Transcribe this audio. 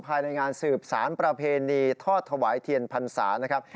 ภายในงานสืบสารประเพณีทอดถวายเทียนพรรษานะครับ